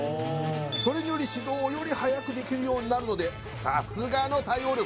それにより始動をより早くできるようになるのでさすがの対応力